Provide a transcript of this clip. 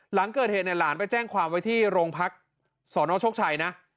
หลังเกิดเหตุเนี่ยหลานไปแจ้งความไว้ที่โรงพักสนโชคชัยนะ